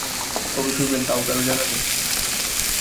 কবে ফিরবেন, তাও কারো জানা নেই।